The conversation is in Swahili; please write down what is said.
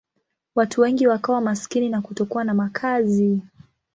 Watu wengi wakawa maskini na kutokuwa na makazi.